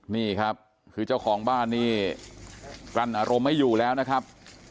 นี่ครับคือเจ้าของบ้านนี่กลั้นอารมณ์ไม่อยู่แล้วนะครับ